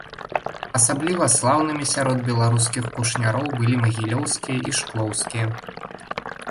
Асабліва слаўнымі сярод беларускіх кушняроў былі магілёўскія і шклоўскія.